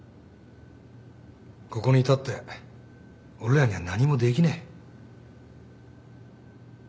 ここにいたって俺らには何もできねえ。